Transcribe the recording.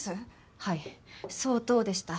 はい相当でした。